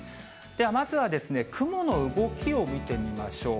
ではまずは雲の動きを見てみましょう。